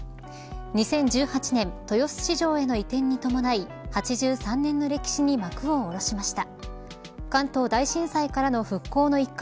２０１８年豊洲市場への移転に伴い８３年の歴史に幕を下ろしました。